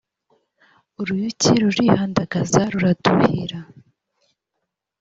uruyuki rurihandagaza ruraduhira